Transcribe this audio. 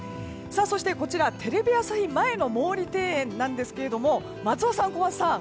そしてこちら、テレビ朝日前の毛利庭園なんですが松尾さん、小松さん